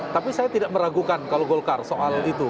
tapi saya tidak meragukan kalau golkar soal itu